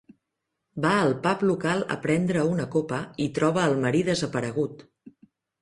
Va al pub local a prendre una copa i troba al marí desaparegut.